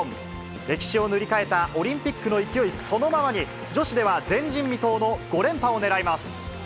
歴史を塗り替えたオリンピックの勢い、そのままに、女子では前人未到の５連覇をねらいます。